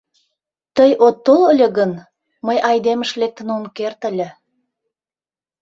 Тый от тол ыле гын, мый айдемыш лектын ом керт ыле...